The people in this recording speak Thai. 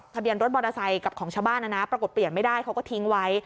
ทะเบียนรถมอเตอร์ไซค์กับของชาวบ้านนะนะปรากฏเปลี่ยนไม่ได้เขาก็ทิ้งไว้